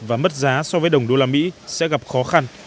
và mất giá so với đồng đô la mỹ sẽ gặp khó khăn